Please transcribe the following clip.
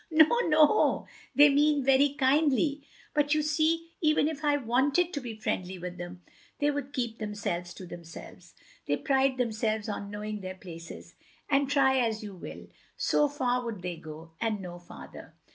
"No, no; they mean very kindly! But you see, even if I wanted to be friendly with them, they would keep themselves to themselves. They pride themselves on knowing their places, and try as you will — so far would they go, and no farther."